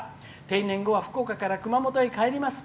定年後は福岡から熊本に帰ります。